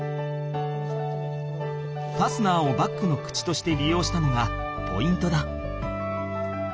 ファスナーをバッグの口としてりようしたのがポイントだ。